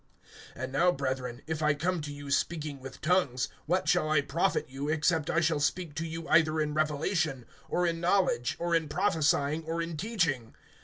(6)And now, brethren, if I come to you speaking with tongues, what shall I profit you, except I shall speak to you either in revelation, or in knowledge, or in prophesying, or in teaching?